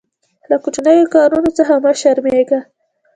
له کوچنیو کارونو څخه مه شرمېږه.